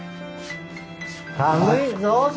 寒いぞ外。